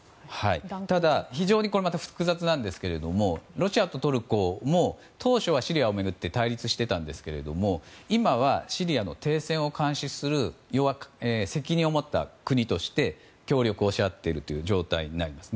ただ、これも非常に複雑なんですがロシアとトルコも当初はシリアを巡って対立してたんですけども今は、シリアの停戦を監視する責任を持った国として協力をし合っている状態になります。